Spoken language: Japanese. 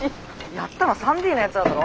やったの３Ｄのやつらだろ？